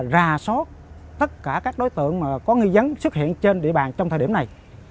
rà sót tất cả các đối tượng mà có nguy dấn xuất hiện trên địa bàn trong thời điểm này